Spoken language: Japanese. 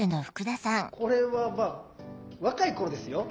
これはまぁ若い頃ですよ。